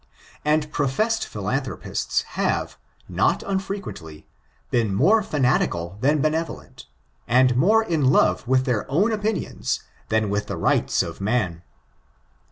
And professed philanthropists have, not unfrequently, been more fanatical than benevolent, and more in love with their own opinions than with the rights of man.